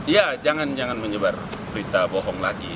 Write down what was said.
ya jangan jangan menyebar berita bohong lagi